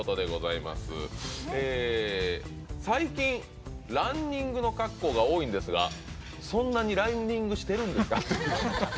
最近、ランニングの格好が多いんですがそんなにランニングしてるんですか？